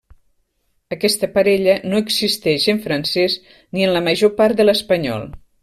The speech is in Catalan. Aquesta parella no existeix en francès ni en la major part de l'espanyol.